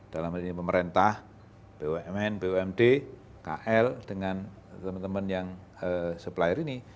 dalam hal ini pemerintah bumn bumd kl dengan teman teman yang supplier ini